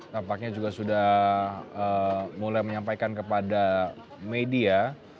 tampaknya juga sudah mulai menyampaikan kepada media